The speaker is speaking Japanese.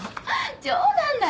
冗談だよ。